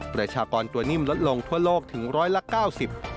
ประชากรตัวนิ่มลดลงทั่วโลกถึง๑๙๐ปี